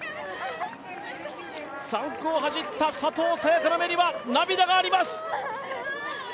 ３区を走った佐藤早也伽の目には涙があります。